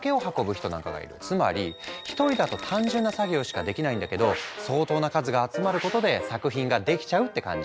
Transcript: つまり一人だと単純な作業しかできないんだけど相当な数が集まることで作品ができちゃうって感じ。